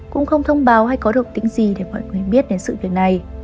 cũng không thông báo hay có được tĩnh gì để mọi người biết đến sự việc này